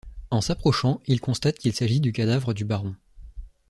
En s'approchant, il constate qu'il s'agit du cadavre du baron.